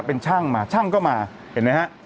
เป็นช่างมาช่างก็มาเห็นไหมฮะ